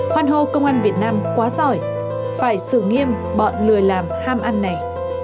hoan hô công an việt nam quá giỏi phải xử nghiêm bọn lừa làm ham ăn này